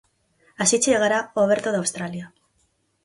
Así chegará ao Aberto de Australia.